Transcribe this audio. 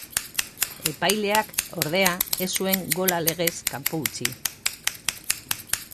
Epaileak, ordea, ez zuen gola legez kanpo utzi.